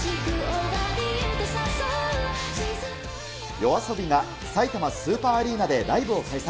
ＹＯＡＳＯＢＩが、さいたまスーパーアリーナでライブを開催。